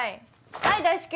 はい大至急。